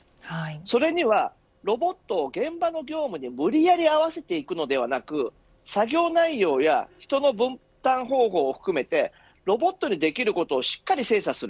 それにはロボット現場の業務に無理やり合わせていくのではなく作業内容や人の分担方法を含めてロボットにできることをしっかり精査する。